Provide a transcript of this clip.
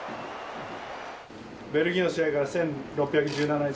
ベルギーの試合から１６１７日。